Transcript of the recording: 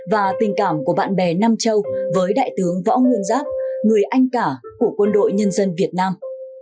và tình cảm của bạn bè nam châu với đại tướng võ nguyên giáp người anh cả của quân đội nhân dân việt nam